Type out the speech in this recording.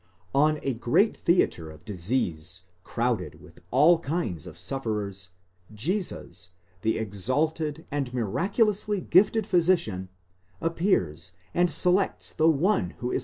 On a great theatre of disease, crowded with all kinds of sufferers, Jesus, the exalted and miraculously gifted physician, appears and selects the one who is.